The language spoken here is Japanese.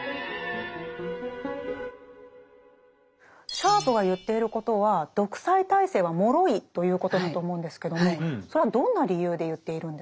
シャープが言っていることは独裁体制は脆いということだと思うんですけどもそれはどんな理由で言っているんですか？